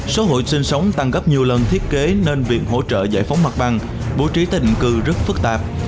số hộ sinh sống tăng gấp nhiều lần thiết kế nên việc hỗ trợ giải phóng mặt bằng bố trí tình cư rất phức tạp